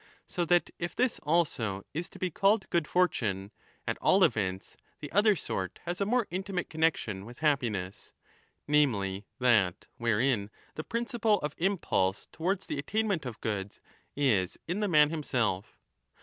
So that, if this also is to be called good fortune, at all events the other sort has a more intimate connexion 15 with happiness, namely, that wherein the principle of BOOK II. 8 1207" impulse towards the attainment of goods is in the man himself.